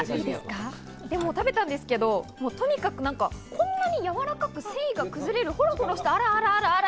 もう食べたんですけど、とにかくこんなにやわらかくて繊維が崩れる、ほろほろして、あらあらあら。